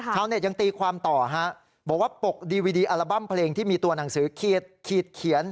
ชาวเน็ตยังตีความต่อบอกว่าปลกดีวิดีอาลับัม์เพลงที่มีตัวหนังสือ